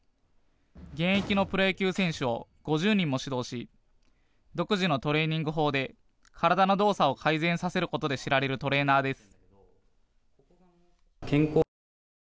現役のプロ野球選手を５０人も指導し独自のトレーニング法で体の動作を改善させることで知られるトレーナーです。